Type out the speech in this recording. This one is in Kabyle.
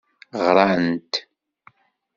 Ɣrant.